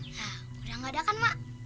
ya udah gak ada kan mak